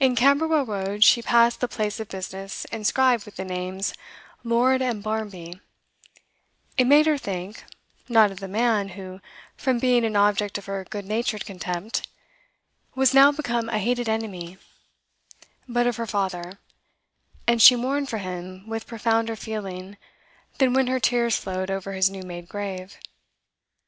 In Camberwell Road she passed the place of business inscribed with the names 'Lord and Barmby'; it made her think, not of the man who, from being an object of her good natured contempt, was now become a hated enemy, but of her father, and she mourned for him with profounder feeling than when her tears flowed over his new made grave.